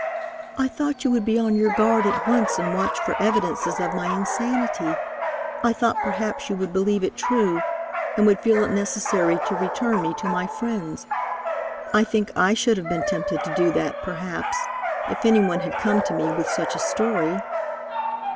"I thought you would be on your guard at once and watch for evidences of my insanity. I thought perhaps you would believe it true, and would feel it necessary to return me to my friends. I think I should have been tempted to do that, perhaps, if any one had come to me with such a story."